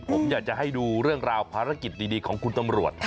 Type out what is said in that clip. ผมอยากจะให้ดูเรื่องราวภารกิจดีของคุณตำรวจ